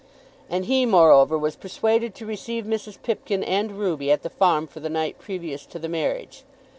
And he, moreover, was persuaded to receive Mrs. Pipkin and Ruby at the farm for the night previous to the marriage.